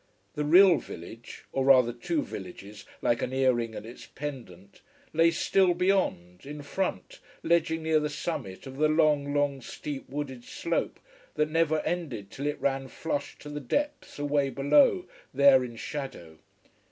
The real village or rather two villages, like an ear ring and its pendant lay still beyond, in front, ledging near the summit of the long, long, steep wooded slope, that never ended till it ran flush to the depths away below there in shadow.